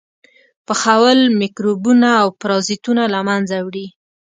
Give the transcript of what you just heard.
پخول میکروبونه او پرازیټونه له منځه وړي.